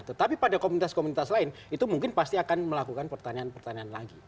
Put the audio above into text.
tetapi pada komunitas komunitas lain itu mungkin pasti akan melakukan pertanyaan pertanyaan lagi